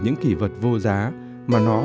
những kỷ vật vô giá mà nó